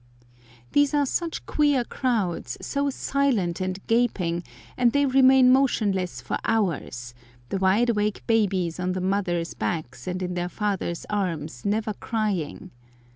These are such queer crowds, so silent and gaping, and they remain motionless for hours, the wide awake babies on the mothers' backs and in the fathers' arms never crying.